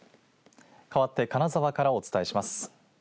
かわって金沢からお伝えします。